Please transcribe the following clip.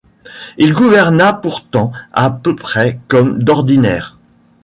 Il gouverna pourtant à peu près comme d’ordinaire.